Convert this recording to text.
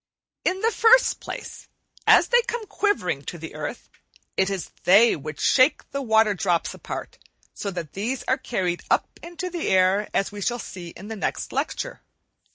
In the first place, as they come quivering to the earth, it is they which shake the water drops apart, so that these are carried up in the air, as we shall see in the next lecture.